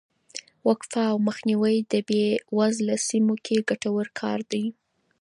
وقفه او مخنیوی په بې وزله سیمو کې ګټور کار دی.